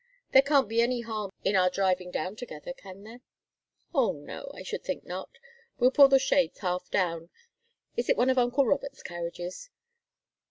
There can't be any harm in our driving down together, can there?" "Oh, no I should think not. We'll pull the shades half down. Is it one of uncle Robert's carriages?"